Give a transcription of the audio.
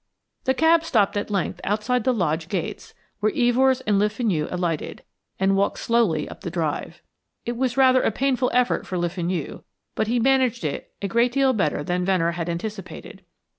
The cab stopped at length outside the lodge gates, where Evors and Le Fenu alighted, and walked slowly up the drive. It was rather a painful effort for Le Fenu, but he managed it a great deal better than Venner had anticipated.